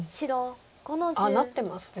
あっなってますね。